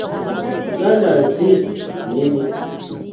Uganda nsi nnimi.